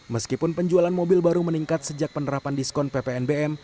meskipun penjualan mobil baru meningkat sejak penerapan diskon ppnbm